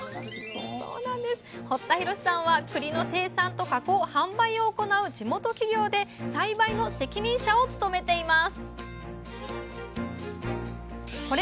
堀田弘さんはくりの生産と加工販売を行う地元企業で栽培の責任者を務めています。